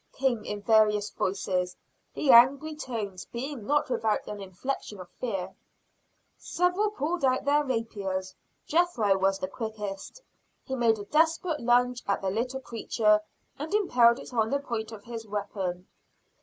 came in various voices, the angry tones being not without an inflection of fear. Several pulled out their rapiers. Jethro was the quickest. He made a desperate lunge at the little creature, and impaled it on the point of his weapon.